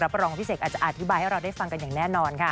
รองพี่เสกอาจจะอธิบายให้เราได้ฟังกันอย่างแน่นอนค่ะ